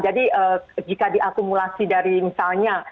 jadi jika diakumulasi dari misalnya